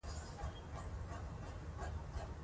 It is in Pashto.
مور د ماشومانو د خپلو مسوولیتونو په اړه پوهه ورکوي.